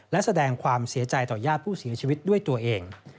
และแสดงความเสียใจต่อญาติผู้เสียชีวิตด้วยตัวเอง